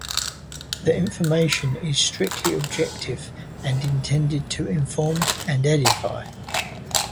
The information is strictly objective and intended to inform and edify.